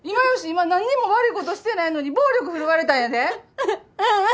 今何にも悪いことしてないのに暴力振るわれたんやで？